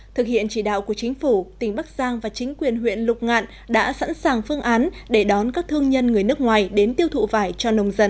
thực hiện chỉ đạo của chính phủ tỉnh bắc giang và chính quyền huyện lục ngạn đã sẵn sàng phương án để đón các thương nhân người nước ngoài đến tiêu thụ vải cho nông dân